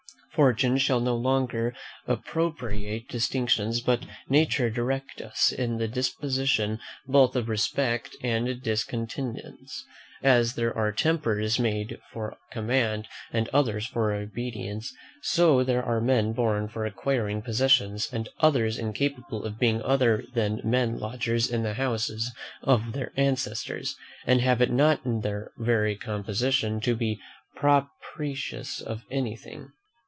Fortune shall no longer appropriate distinctions, but nature direct us in the disposition both of respect and discountenance. As there are tempers made for command and others for obedience, so there are men born for acquiring possessions, and others incapable of being other than mere lodgers in the houses of their ancestors, and have it not in their very composition to be proprietors of anything.